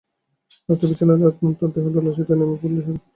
রাতে বিছানায় আদনান তার দেহ-তল্লাশিতে নেমে পড়লে, সাড়া দিতে পারে না।